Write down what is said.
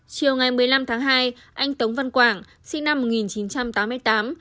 chiều ngày một mươi năm tháng hai anh tống văn quảng sinh năm một nghìn chín trăm tám mươi tám